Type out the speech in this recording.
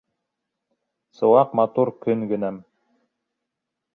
Сыуаҡ, матур көн генәм.